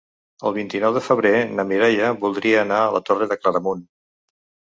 El vint-i-nou de febrer na Mireia voldria anar a la Torre de Claramunt.